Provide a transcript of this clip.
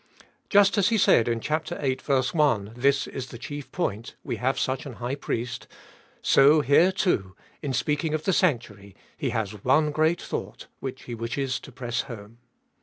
Just as he said, in chap. viii. I, This is the chief point: we have such an High Priest, so here too, in speaking of the sanctuary, he has one great thought which he wishes to press home.